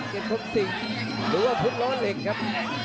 กินทุกสิ่งหรือว่าพุทธรรมนั่งเหล็กครับ